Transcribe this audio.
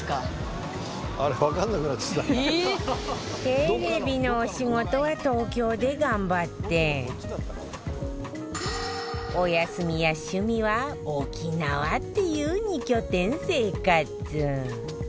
テレビのお仕事は東京で頑張ってお休みや趣味は沖縄っていう２拠点生活。